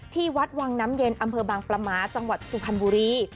ที่วัดวังน้ำเย็นอำเภอบางประม้าจังหวัดสุพรรณบุรี